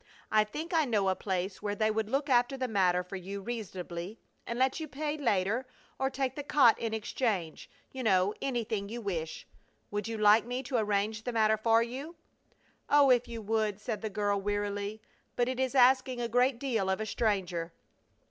"I think I know a place where they would look after the matter for you reasonably and let you pay later or take the cot in exchange, you know, anything you wish. Would you like me to arrange the matter for you?" "Oh, if you would!" said the girl, wearily. "But it is asking a great deal of a stranger."